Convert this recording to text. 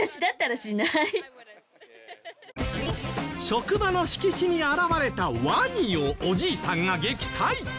職場の敷地に現れたワニをおじいさんが撃退！